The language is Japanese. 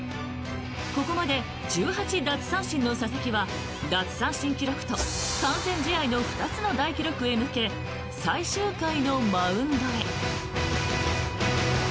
ここまで１８奪三振の佐々木は奪三振記録と完全試合の２つの大記録へ向け最終回のマウンドへ。